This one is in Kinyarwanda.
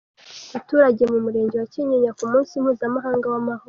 Abaturage mu murenge wa Kinyinya ku munsi mpuzamahanga w’amahoro.